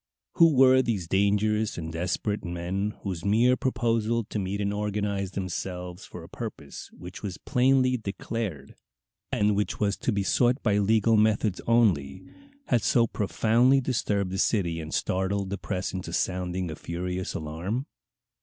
Who were these dangerous and desperate men whose mere proposal to meet and organize themselves for a purpose which was plainly declared, and which was to be sought by legal methods only, had so profoundly disturbed the city and startled the press into sounding a furious alarm?